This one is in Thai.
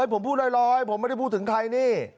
ผมพูดลอยผมไม่ได้พูดถึงใครนี่